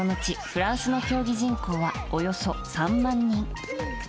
フランスの競技人口はおよそ３万人。